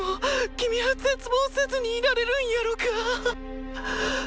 キミは絶望せずにいられるんやろか？